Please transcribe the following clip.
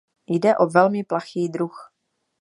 Jde o velmi plachý druh.